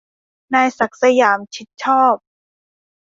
นายศักดิ์สยาม ชิดชอบ